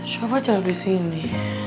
coba aja lebih sini